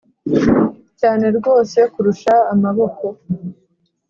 Cyane rwose kurusha amaboko